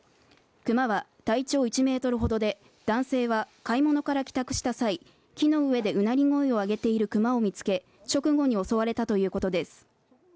クマは体長１メートルほどで男性は買い物から帰宅した際木の上でうなり声を上げているクマを見つけ直後に襲われたということです